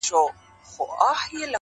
• تاسو له دی نښو څخه یی څو دانی لری